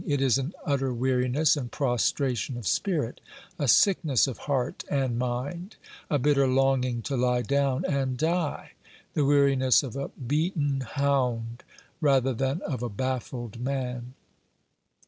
It is an utter weariness and prostration of spirit a sickness of heart and mind a bitter longing to lie down and die the weariness of a beaten hound rather than of a baffled man.